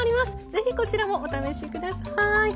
ぜひこちらもお試し下さい。